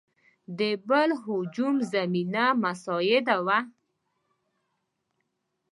د بل هجوم زمینه مساعد وي.